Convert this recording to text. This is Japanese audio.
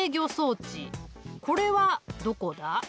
これはどこだ？